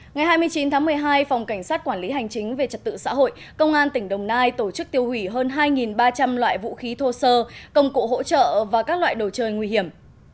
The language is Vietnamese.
ngày hai mươi chín tháng một mươi hai phòng cảnh sát quản lý hành chính về trật tự xã hội công an tỉnh đồng nai tổ chức tiêu hủy hơn hai ba trăm linh loại vũ khí thô sơ công cụ hỗ trợ và các loại đồ chơi nguy hiểm